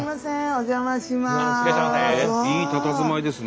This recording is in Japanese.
お邪魔します。